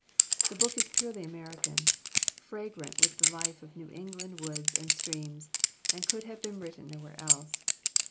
The book is purely American, fragrant with the life of New England woods and streams, and could have been written nowhere else.